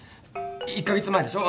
１カ月前でしょ？